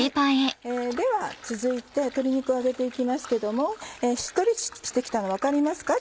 では続いて鶏肉を揚げて行きますけどもしっとりして来たの分かりますか？